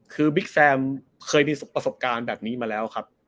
คือบิ๊กแซมเคยมีประสบการณ์แบบนี้มาแล้วครับ